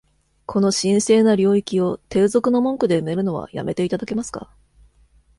この神聖な領域を、低俗な文句で埋めるのは止めて頂けますか？